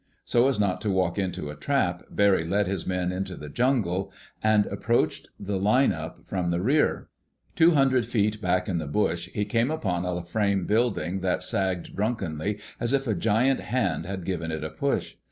So as not to walk into a trap, Barry led his men into the jungle and approached the line up from the rear. Two hundred feet back in the bush he came upon a frame building that sagged drunkenly as if a giant hand had given it a push.